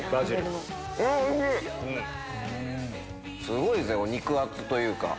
すごいですね肉厚というか。